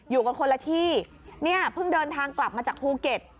อยู่กันคนละที่เนี่ยเพิ่งเดินทางกลับมาจากภูเก็ต